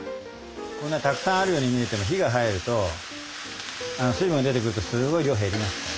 こんなたくさんあるように見えても火が入ると水分が出てくるとすごい量減りますから。